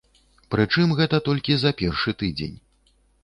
Прычым, гэта толькі за першы тыдзень.